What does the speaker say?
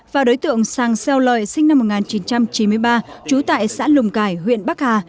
và đối tượng sang xeo lợi sinh năm một nghìn chín trăm chín mươi ba trú tại xã lùng cải huyện bắc hà